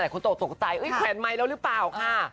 แต่คนโตตกตกใจเอ้ยแขวนไมค์แล้วหรือเปล่าค่ะ